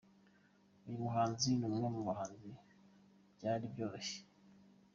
Uyu muhanzi ni umwe mu bahanzi byari byoroshye.